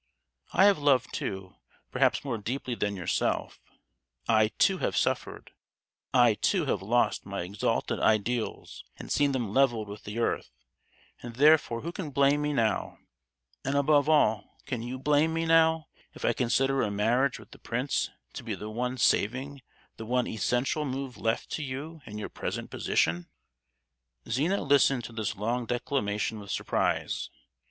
"I have loved too—perhaps more deeply than yourself; I, too, have suffered, I, too, have lost my exalted ideals and seen them levelled with the earth; and therefore who can blame me now—and, above all, can you blame me now,—if I consider a marriage with the prince to be the one saving, the one essential move left to you in your present position"? Zina listened to this long declamation with surprise.